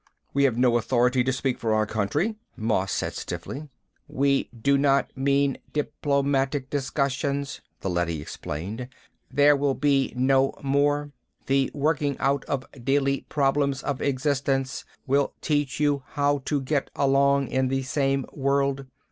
"We have no authority to speak for our country," Moss said stiffly. "We do not mean diplomatic discussions," the leady explained. "There will be no more. The working out of daily problems of existence will teach you how to get along in the same world.